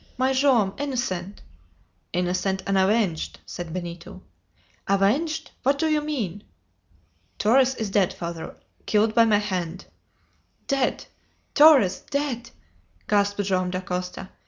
"My Joam, innocent!" "Innocent and avenged!" said Benito. "Avenged? What do you mean?" "Torres is dead, father; killed by my hand!" "Dead! Torres! Dead!" gasped Joam Dacosta.